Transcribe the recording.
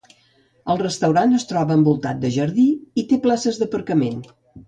El restaurant es troba envoltat de jardí i té places d'aparcament.